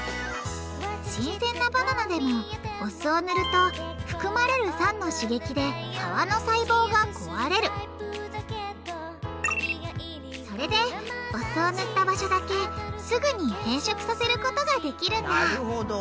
新鮮なバナナでもお酢を塗ると含まれる酸の刺激で皮の細胞が壊れるそれでお酢を塗った場所だけすぐに変色させることができるんだなるほど。